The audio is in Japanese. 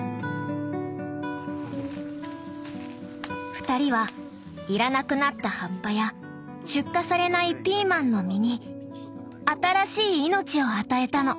２人は要らなくなった葉っぱや出荷されないピーマンの実に新しい命を与えたの！